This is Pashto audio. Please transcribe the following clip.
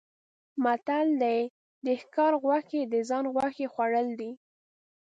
متل دی: د ښکار غوښې د ځان غوښې خوړل دي.